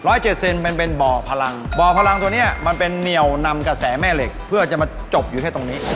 เจ็ดเซนมันเป็นบ่อพลังบ่อพลังตัวเนี้ยมันเป็นเหนียวนำกระแสแม่เหล็กเพื่อจะมาจบอยู่แค่ตรงนี้